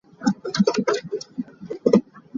Cheese mites are used in cheese maturing elsewhere.